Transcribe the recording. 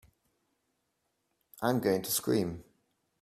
I'm going to scream!